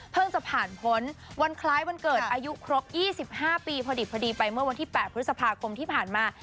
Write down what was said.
จะผ่านพ้นวันคล้ายวันเกิดอายุครบ๒๕ปีพอดิบพอดีไปเมื่อวันที่๘พฤษภาคมที่ผ่านมา